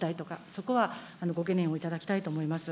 そこはご懸念をいただきたいと思います。